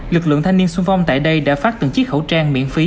lực lượng thanh niên sung phong tại đây đã phát từng chiếc khẩu trang miễn phí